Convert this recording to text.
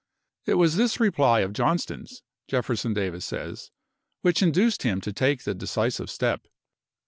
It was this reply of ^Jnt"" Johnston's, Jefferson Davis says, which induced p° '557." him to take the decisive step.